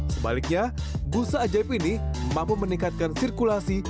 sebaliknya busa ajaib ini mampu meningkatkan sirkulasi